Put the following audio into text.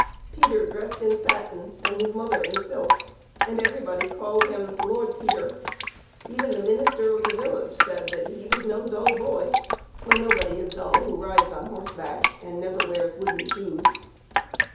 Peter dressed in satin and his mother in silk, and everybody called him " Lord Peter." Even the minister of the village said that he was no dull boy, for nobody is dull who rides on horseback and never wears wooden shoes.